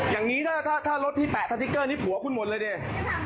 อย่างนี้ถ้ารถที่แปะนี่ผัวคุณหมดเลยเนี่ย